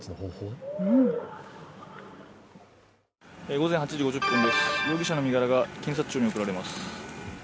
午前８時５０分です、容疑者の身柄が検察庁に送られます。